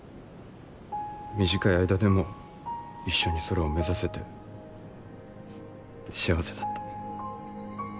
短い間でも一緒に空を目指せて幸せだった。